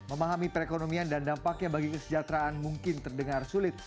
memahami perekonomian dan dampaknya bagi kesejahteraan mungkin terdengar sulit